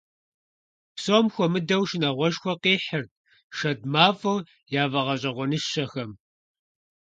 Псом хуэмыдэу шынагъуэшхуэ къихьырт шэд мафӀэу яфӀэгъэщӀэгъуэныщэхэм.